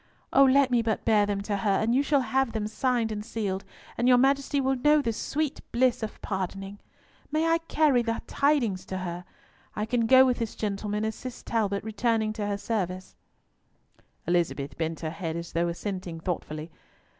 Oh! let me but bear them to her, and you shall have them signed and sealed, and your Majesty will know the sweet bliss of pardoning. May I carry the tidings to her? I can go with this gentleman as Cis Talbot returning to her service." Elizabeth bent her head as though assenting thoughtfully.